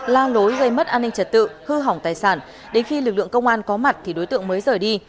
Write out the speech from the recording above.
la lối gây mất an ninh trật tự hư hỏng tài sản đến khi lực lượng công an có mặt thì đối tượng mới rời đi